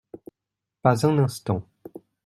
Pas un instant.